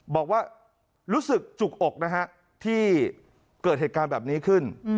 บอกว่ารู้สึกจุกอกนะฮะที่เกิดเหตุการณ์แบบนี้ขึ้น